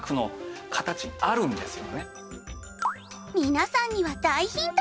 皆さんには大ヒント！